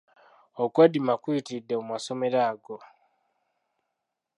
Okwediima kuyitiridde mu masomero ago.